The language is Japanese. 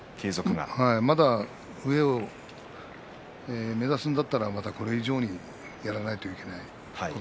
まだ上を目指すのでしたらこれ以上にやらないといけません。